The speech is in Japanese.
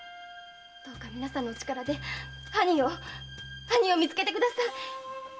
どうか皆さんのお力で兄を見つけてください！